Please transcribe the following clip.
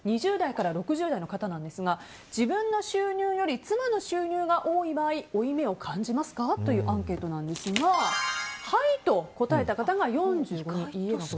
２０代から６０代の方なんですが自分の収入より妻の収入が多い場合負い目を感じますか？というアンケートなんですがはいと答えた方が４５人。